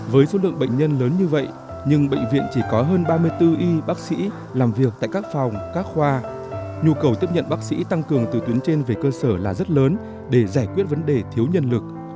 với số lượng bệnh nhân lớn như vậy nhưng bệnh viện chỉ có hơn ba mươi bốn y bác sĩ làm việc tại các phòng các khoa nhu cầu tiếp nhận bác sĩ tăng cường từ tuyến trên về cơ sở là rất lớn để giải quyết vấn đề thiếu nhân lực